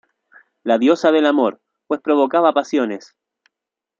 La "Diosa del amor", pues provocaba pasiones.